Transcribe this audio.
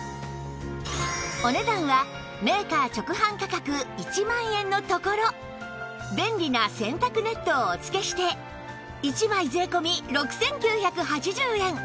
お値段はメーカー直販価格１万円のところ便利な洗濯ネットをお付けして１枚税込６９８０円